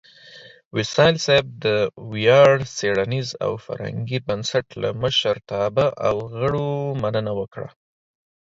وصال صېب د ویاړ څیړنیز او فرهنګي بنسټ لۀ مشرتابۀ او غړو مننه وکړه